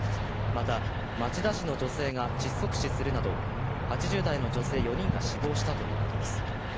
また町田市の女性が窒息死するなど、８０代の女性４人が死亡したということです。